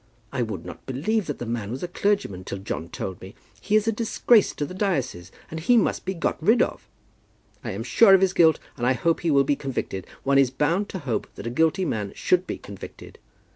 I would not believe that the man was a clergyman till John told me. He is a disgrace to the diocese, and he must be got rid of. I feel sure of his guilt, and I hope he will be convicted. One is bound to hope that a guilty man should be convicted.